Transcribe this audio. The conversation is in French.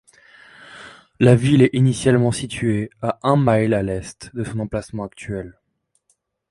La ville est initialement située à un mile à l'Est de son emplacement actuel.